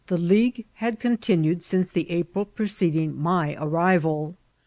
league had contiiraed sdiiee the April preceding my av rival.